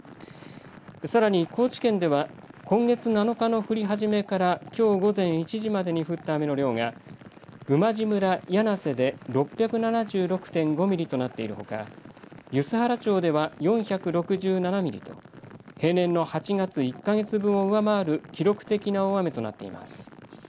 さらに高知県では今月７日の降り始めからきょう午前１時までに降った雨の量が馬路村魚梁瀬で６７６．５ミリとなっているほか、梼原町では４６７ミリと平年の８月１か月分を上回る記録的な大雨となっています。